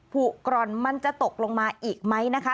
ผูกกร่อนมันจะตกลงมาอีกไหมนะคะ